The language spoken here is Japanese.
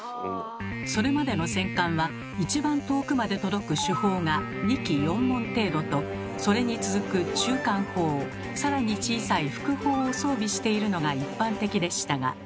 それまでの戦艦は一番遠くまで届く主砲が２基４門程度とそれに続く中間砲さらに小さい副砲を装備しているのが一般的でしたが。